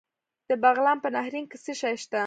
د بغلان په نهرین کې څه شی شته؟